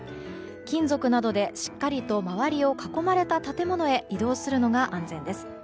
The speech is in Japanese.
金属などでしっかりと周りを囲まれた建物へ移動するのが安全です。